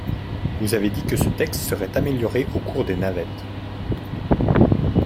Vous avez dit que ce texte serait amélioré au cours des navettes.